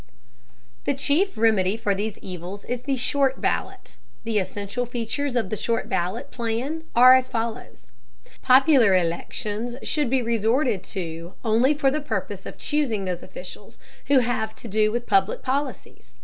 The chief remedy for these evils is the short ballot. The essential features of the short ballot plan are as follows: Popular elections should be resorted to only for the purpose of choosing those officials who have to do with public policies.